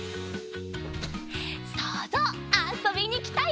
そうぞうあそびにきたよ！